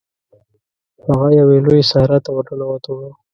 هغه یوې لويي صحرا ته ورننوتلو.